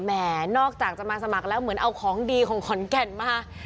นอกจากจะมาสมัครแล้วเหมือนเอาของดีของขอนแก่นมา